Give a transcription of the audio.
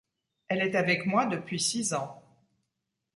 Elle est avec moi depuis six ans.